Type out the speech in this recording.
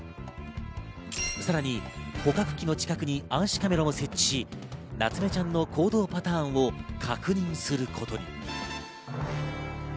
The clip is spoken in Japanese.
さらに捕獲器の近くに暗視カメラを設置し、なつめちゃんの行動パターンを確認することに。